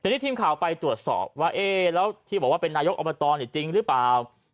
ทีมข่าวไปตรวจสอบที่บอกว่าเป็นนายกออบตจริงรึเปล่า